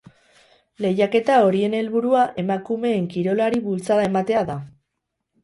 Lehiaketa horien helburua emakumeen kirolari bultzada ematea da.